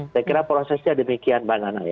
saya kira prosesnya demikian bang nana